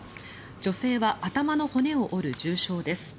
女性は頭の骨を折る重傷です。